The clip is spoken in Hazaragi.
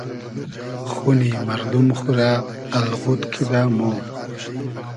خونی مئردوم خو رۂ الغود کیدۂ مۉ